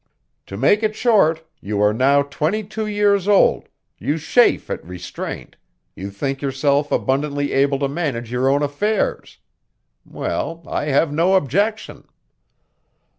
To make it short, you are now twenty two years old, you chafe at restraint, you think yourself abundantly able to manage your own affairs. Well I have no objection."